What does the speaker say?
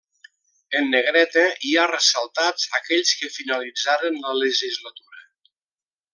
En negreta hi ha ressaltats aquells que finalitzaren la legislatura.